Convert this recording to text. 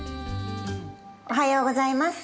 おはようございます。